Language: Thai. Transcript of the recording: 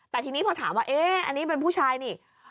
แต่ทีนี้พอถามว่าเอ๊ะอันนี้เป็นผู้ชายนี่